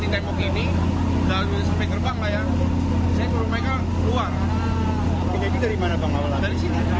karyawan gudang yang sudah terbakar membuat api terbakar